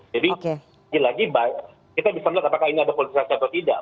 jadi ini lagi kita bisa melihat apakah ini adalah politisasi atau tidak